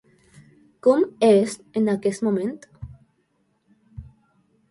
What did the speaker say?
Com és en aquest moment?